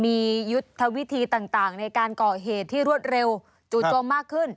มียุทธวิธีต่างในการก่อเหตุที่รวดเร็วจู่โจมมากขึ้น